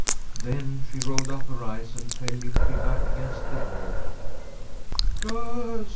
Then she rolled up her eyes and fell limply back against the wall. "Girls!"